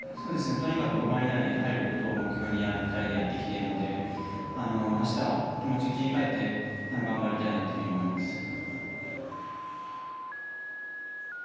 とにかく５番以内に入ることを目標に２人でやってきているのであしたは気持ちを切り替えて頑張りたいなっていうふうに思います。